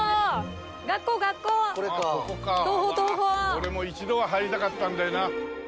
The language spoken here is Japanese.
俺も一度は入りたかったんだよな。